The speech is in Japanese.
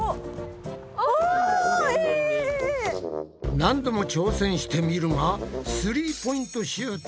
何度も挑戦してみるがスリーポイントシュートは簡単には決まらない。